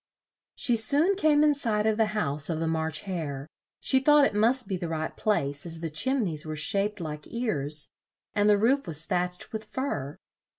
She soon came in sight of the house of the March Hare; she thought it must be the right place, as the chim neys were shaped like ears, and the roof was thatched with fur.